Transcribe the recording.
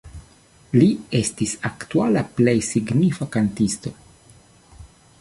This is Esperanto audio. Li estis la aktuala plej signifa kantisto.